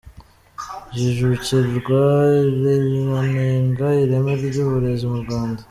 Jijukirwa iranenga ireme ry’uburezi mu Rwanda